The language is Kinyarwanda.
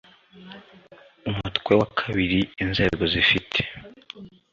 umutwe wa kabiri inzego zifite